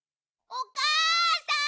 ・おかあさん！